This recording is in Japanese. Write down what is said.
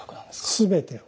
全てを。